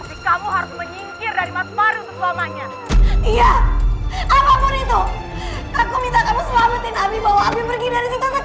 aku minta kamu selamatin pergi dari sekarang juga